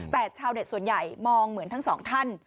แต่ชาวเน็ตส่วนใหญ่มองเหมือนทั้งสองท่าน